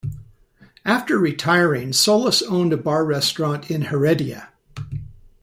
After retiring, Solis owned a bar-restaurant in Heredia.